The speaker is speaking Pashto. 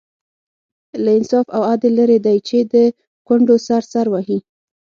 له انصاف او عدل لرې دی چې د کونډو سر سر وهي.